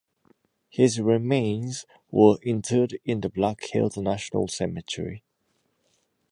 His remains were interred in the Black Hills National Cemetery.